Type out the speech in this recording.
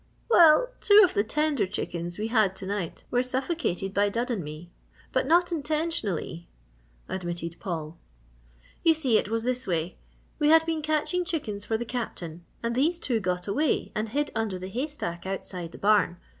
"Well, two of the tender chickens we had to night were suffocated by Dud and me, but not intentionally," admitted Paul. "You see, it was this way: We had been catching chickens for the Captain and these two got away and hid under the haystack outside the barn.